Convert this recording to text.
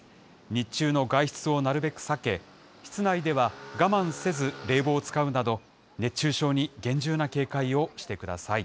日中の外出をなるべく避け、室内では我慢せず、冷房を使うなど、熱中症に厳重な警戒をしてください。